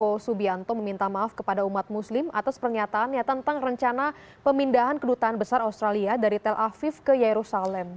prabowo subianto meminta maaf kepada umat muslim atas pernyataannya tentang rencana pemindahan kedutaan besar australia dari tel aviv ke yerusalem